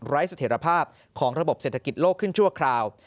เสถียรภาพของระบบเศรษฐกิจโลกขึ้นชั่วคราว